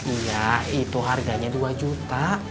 iya itu harganya dua juta